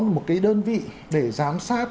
một cái đơn vị để giám sát